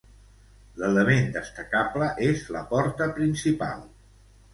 L'element destacable és la porta principal.